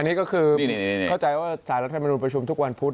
อันนี้ก็คือเข้าใจว่าศาลรักษณ์บรรดุประชุมทุกวันพุธ